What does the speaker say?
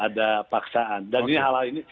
ada paksaan dan hal ini